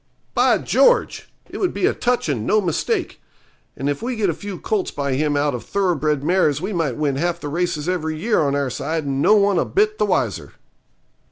'By George! it would be a touch, and no mistake. And if we could get a few colts by him out of thoroughbred mares we might win half the races every year on our side and no one a bit the wiser.'